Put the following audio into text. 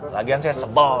lagian saya sebel